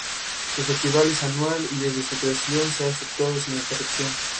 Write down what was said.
El Festival es anual y, desde su creación, se ha efectuado sin interrupción.